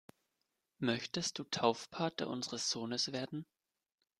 Möchtest du Taufpate unseres Sohnes werden?